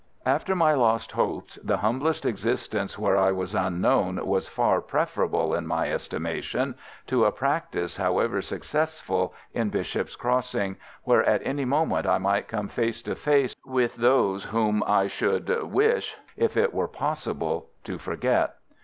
After my lost hopes, the humblest existence where I was unknown was far preferable, in my estimation, to a practice, however successful, in Bishop's Crossing, where at any moment I might come face to face with those whom I should wish, if it were possible, to forget.